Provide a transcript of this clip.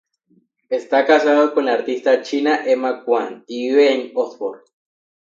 Está casado con la artista china Emma Kwan, y vive en Oxford.